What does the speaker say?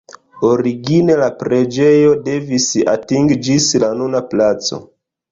Origine la preĝejo devis atingi ĝis la nuna placo.